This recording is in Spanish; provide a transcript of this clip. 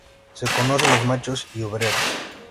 Se conocen los machos y obreras.